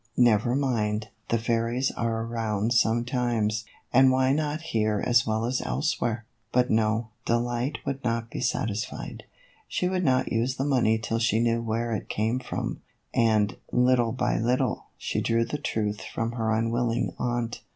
"Never mind; the fairies are around sometimes, and why not here as well as elsewhere ?" But no, Delight would not be satisfied. She would not use the money till she knew where it came from, and, little by little, she drew the truth from her unwilling aunt.